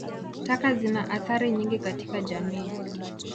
Taka zina athari nyingi katika jamii.